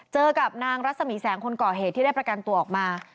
เจอกับนางรัศมีแสงคนก่อเหตุที่ได้ประกันตัวออกมา